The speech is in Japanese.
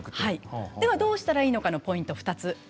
どうしたらいいのかのポイント２つ。